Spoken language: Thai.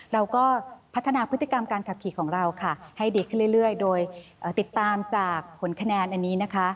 เราก็พัฒนาพฤติกรรมการขับขี่ของเราค่ะให้ดีขึ้นเรื่อยโดยติดตามจากผลคะแนนอันนี้นะคะ